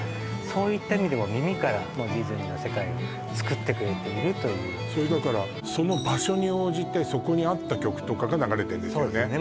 そういった意味でも耳からもディズニーの世界をつくってくれているというそれだからその場所に応じてそこに合った曲とかが流れてるんですよね？